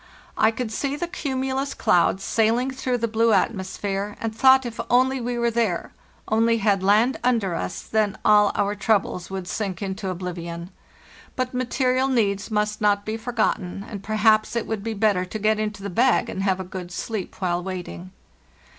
I could see the cumulus clouds sailing through the blue atmosphere, and thought if only we were there, only had land under us, then all our troubles would sink into oblivion. But material needs must not be forgotten, and, perhaps, it would be better to get into the bag and have a good sleep while waiting.